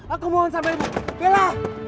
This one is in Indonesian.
aku mohon sama ibu bella